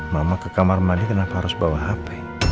mama ke kamar mandi kenapa harus bawa hp